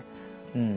うん。